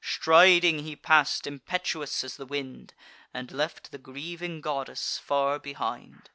Striding he pass'd, impetuous as the wind, And left the grieving goddess far behind.